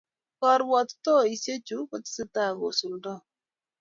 karwatutaisiek chuu kotesetai kosuldai